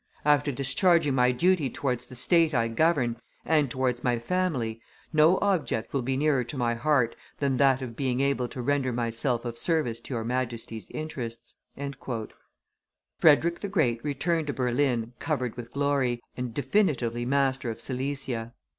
After discharging my duty towards the state I govern, and towards my family, no object will be nearer to my heart than that of being able to render myself of service to your Majesty's interests." Frederick the Great returned to Berlin covered with glory, and definitively master of Silesia.